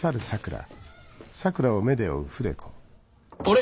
あれ？